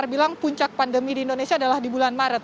saya bilang puncak pandemi di indonesia adalah di bulan maret